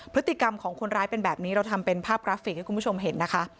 พฤติกรรมของคนร้ายเป็นแบบนี้เราทำเป็นภาพกราฟิกให้คุณผู้ชมเห็นนะคะ